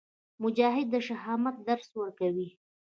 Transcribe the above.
مجاهد د شهامت درس ورکوي.